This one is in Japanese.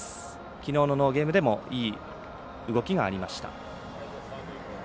きのうのノーゲームでもいい動きがありました。